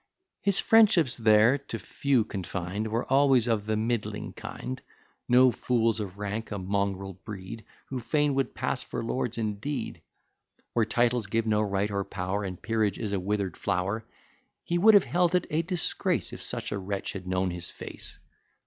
His friendships there, to few confined Were always of the middling kind; No fools of rank, a mongrel breed, Who fain would pass for lords indeed: Where titles give no right or power, And peerage is a wither'd flower; He would have held it a disgrace, If such a wretch had known his face.